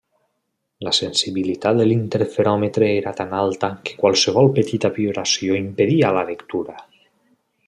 La sensibilitat de l'interferòmetre era tan alta que qualsevol petita vibració impedia la lectura.